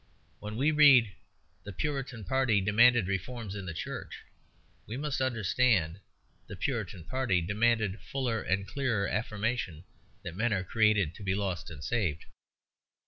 When we read, "The Puritan party demanded reforms in the church," we must understand, "The Puritan party demanded fuller and clearer affirmation that men are created to be lost and saved."